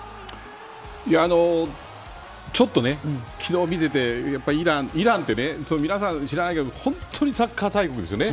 ちょっと、昨日見ていてイランって皆さん知らないけど本当にサッカー大国ですよね。